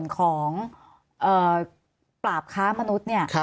ของปราบค้ามนุษย์เนี่ย